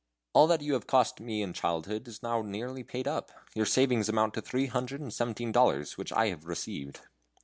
"All that you have cost me in childhood is now nearly paid up. Your savings amount to three hundred and seventeen dollars, which I have received."